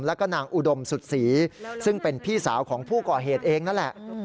แล้วก็นางอุดมสุดศรีซึ่งเป็นพี่สาวของผู้ก่อเหตุเองนั่นแหละ